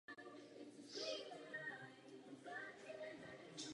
Můj čas uplynul, dámy a pánové.